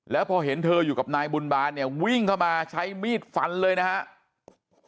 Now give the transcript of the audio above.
แล้วพอเห็นเธออยู่กับนายบุญบาลเนี่ยวิ่งเข้ามาใช้มีดฟันเลยนะครับ